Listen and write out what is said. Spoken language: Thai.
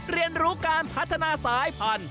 เรียนรู้การพัฒนาสายพันธุ